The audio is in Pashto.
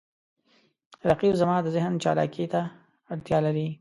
رقیب زما د ذهن چالاکي ته اړتیا لري